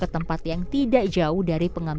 beberapa hari yang telah membeli tangga arah